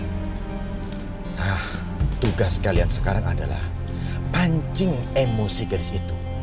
nah tugas kalian sekarang adalah pancing emosi gadis itu